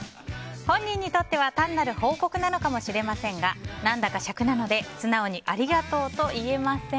本人にとっては単なる報告なのかもしれませんが何だか癪なので素直にありがとうと言えません。